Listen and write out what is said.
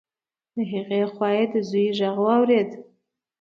د هغې خوا يې د زوی غږ واورېد.